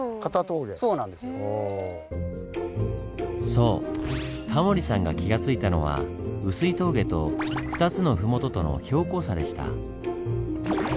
そうタモリさんが気が付いたのは碓氷峠と２つの麓との標高差でした。